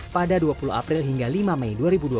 pada dua puluh april hingga lima mei dua ribu dua puluh